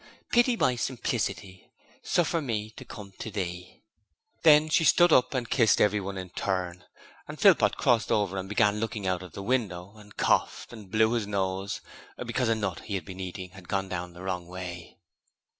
Pity my simplicity, Suffer me to come to Thee.' Then she stood up and kissed everyone in turn, and Philpot crossed over and began looking out of the window, and coughed, and blew his nose, because a nut that he had been eating had gone down the wrong way.